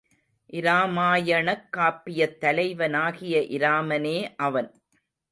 இராமாயணக் காப்பியத் தலைவனாகிய இராமனே அவன்.